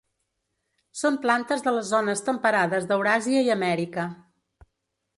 Són plantes de les zones temperades d'Euràsia i Amèrica.